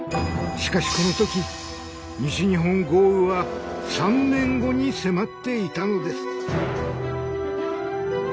しかしこの時西日本豪雨は３年後に迫っていたのです。